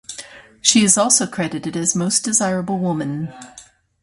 She is also credited as "Most Desirable Women".